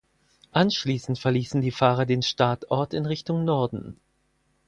Anschließend verließen die Fahrer den Startort in Richtung Norden.